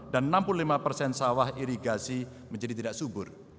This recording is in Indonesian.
dan enam puluh lima persen sawah irigasi menjadi tidak subur